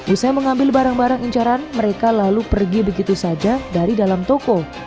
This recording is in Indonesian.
usai mengambil barang barang incaran mereka lalu pergi begitu saja dari dalam toko